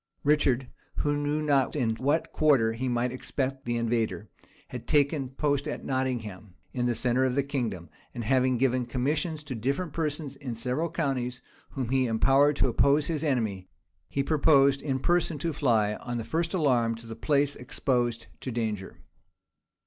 Richard, who knew not in what quarter he might expect the invader, had taken post at Nottingham, in the centre of the kingdom; and having given commissions to different persons in the several counties, whom he empowered to oppose his enemy, he purposed in person to fly, on the first alarm, to the place exposed to danger.